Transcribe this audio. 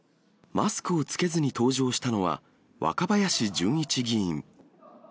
マスクを着けずに登場したのは、若林純一議員。